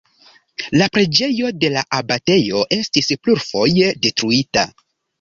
La preĝejo de la abatejo estis plurfoje detruita.